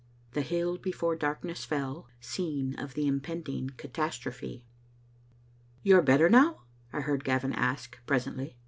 THE HILL BEFORE DARKNESS FELL— SCENE OF THE IM PENDING CATASTROPHE. You are better now?" I heard Gavin ask, presently.